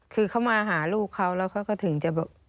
คือเขามาหาลูกเขาแล้วเขาก็ถึงจะแบบ